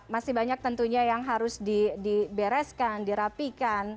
masih banyak tentunya yang harus dibereskan dirapikan